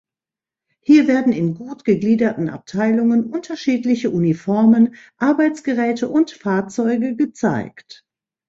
Hier werden in gut gegliederten Abteilungen unterschiedliche Uniformen, Arbeitsgeräte und Fahrzeuge gezeigt.